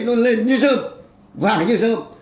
nó lên như dơm